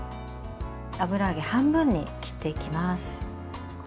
油揚げ、半分に切っていきます。